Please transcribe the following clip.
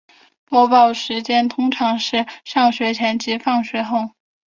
播放时间通常是上学前及放学后。